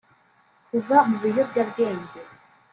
kuva mu biyobyabwenge